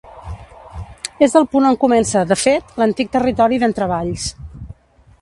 És el punt on comença, de fet, l'antic territori d'Entrevalls.